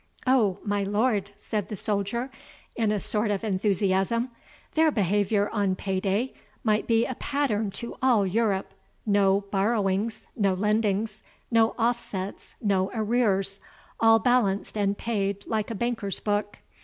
"O! my lord," said the soldier, in a sort of enthusiasm, "their behaviour on pay day might be a pattern to all Europe no borrowings, no lendings, no offsets no arrears all balanced and paid like a banker's book.